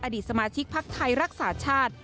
อดีตสมาชิกภักดิ์ไทยรักษาชาติ